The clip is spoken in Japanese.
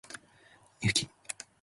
雪